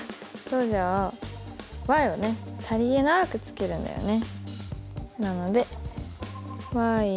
じゃあをねさりげなくつけるんだよね。